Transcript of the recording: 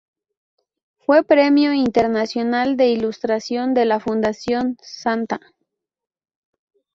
Fue Premio Internacional de Ilustración de la Fundación Sta.